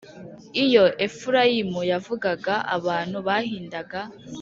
Iyo Efurayimu yavugaga abantu bahindaga